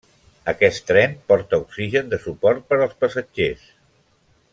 Aquest tren porta oxigen de suport per als passatgers.